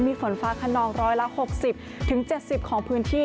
มีฝนฟ้าขนอง๑๖๐๗๐ของพื้นที่